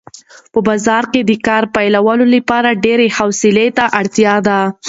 په بازار کې د کار پیلولو لپاره ډېرې حوصلې ته اړتیا ده.